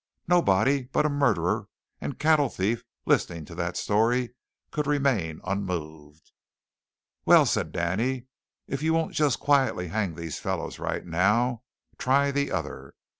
"Nobody but a murderer and cattle thief listening to that story could remain unmoved." "Well," said Danny, "if you won't just quietly hang these fellows right now, try the other.